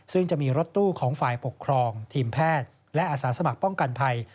ซึ่งจะมีรถตู้ของฝ่ายปกครองทีมแพทย์และอาสาสมัครป้องกันภัย